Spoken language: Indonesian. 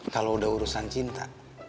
kalau udah urusan cinta